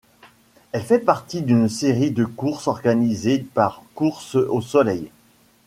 Elle fait partie d'une série de courses organisées par Courses au Soleil.